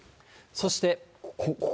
そして。